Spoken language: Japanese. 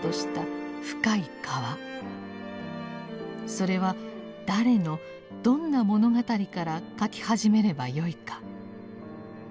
それは誰のどんな物語から書き始めればよいか。